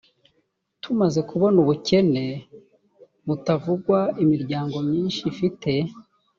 tumaze kubona ubukene butavugwa imiryango myinshi ifite